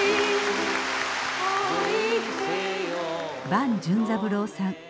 伴淳三郎さん。